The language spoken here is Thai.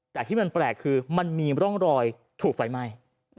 แต่ที่มันแปลกคือมันมีร่องรอยถูกไฟไหม้